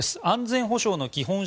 安全保障の基本